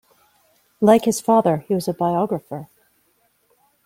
Like his father he was a biographer.